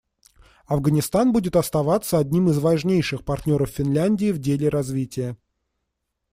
Афганистан будет оставаться одним из важнейших партнеров Финляндии в деле развития.